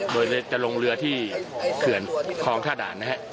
โดยจะลงเรือที่เขื่อนคลองท่าด่านนะฮะ